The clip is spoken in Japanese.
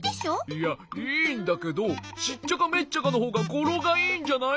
いやいいんだけどシッチャカメッチャカのほうがごろがいいんじゃない？